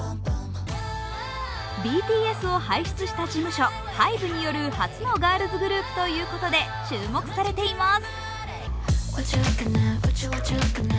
ＢＴＳを輩出した事務所ＨＹＢＥによる初のガールズグループということで注目されています。